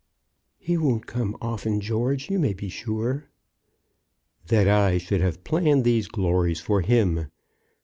"He won't come often, George, you may be sure." "That I should have planned these glories for him!